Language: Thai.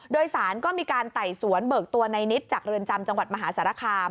โดยสารก็มีการไต่สวนเบิกตัวในนิดจากเรือนจำจังหวัดมหาสารคาม